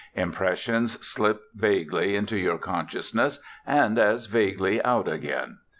Impressions slip vaguely into your consciousness and as vaguely out again.